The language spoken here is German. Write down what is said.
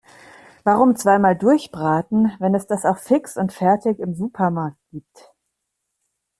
Warum zweimal durchbraten, wenn es das auch fix und fertig im Supermarkt gibt?